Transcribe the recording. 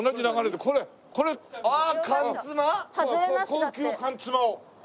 高級缶つまを。